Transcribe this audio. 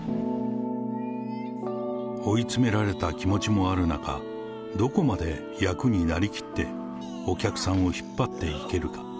追い詰められた気持ちもある中、どこまで役になりきって、お客さんを引っ張っていけるか。